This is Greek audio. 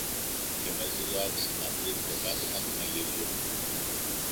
και με ζήλο άρχισε να τρίβει το πάτωμα του μαγειριού